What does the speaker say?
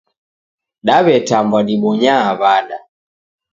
Dawetambwa dibonyaa wada